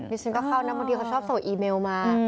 มิวชินก็เข้านักบุฏิเค้าชอบส่งอีเมลมา